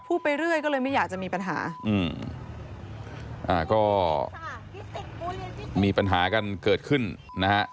ไปเรื่อยก็เลยไม่อยากจะมีปัญหาอืมอ่าก็มีปัญหากันเกิดขึ้นนะฮะ